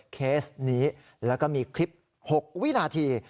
เคสนี้แล้วก็มีคลิป๖วินาที